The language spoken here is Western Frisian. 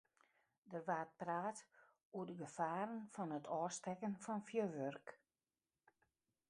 Der waard praat oer de gefaren fan it ôfstekken fan fjurwurk.